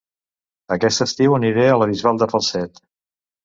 Aquest estiu aniré a La Bisbal de Falset